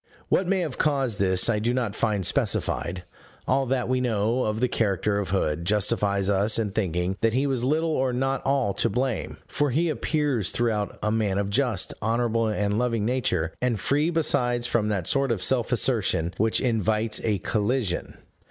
What may have caused this I do not find specified: all that we know of the character of Hood justifies us in thinking that he was little or not at all to blame, for he appears throughout a man of just, honorable, and loving nature, and free besides from that sort of self assertion which invites a collision.